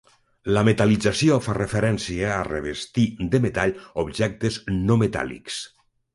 La metal·lització fa referència a revestir de metall objectes no metàl·lics.